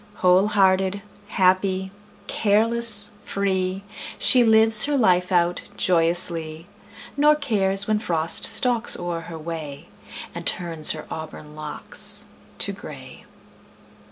Whole hearted, happy, careless, free, She lives her life out joyously, Nor cares when Frost stalks o'er her way And turns her auburn locks to gray.